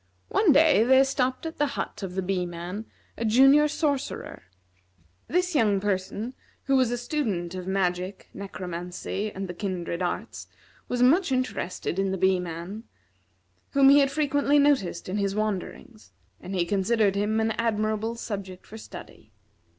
One day, there stopped at the hut of the Bee man a Junior Sorcerer. This young person, who was a student of magic, necromancy, and the kindred arts, was much interested in the Bee man, whom he had frequently noticed in his wanderings, and he considered him an admirable subject for study.